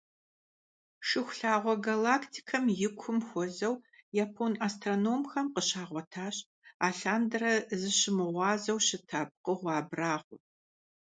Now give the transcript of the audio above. Шыхулъагъуэ галактикэм и кум хуэзэу япон астрономхэм къыщагъуэтащ алъандэрэ зыщымыгъуазэу щыта пкъыгъуэ абрагъуэ.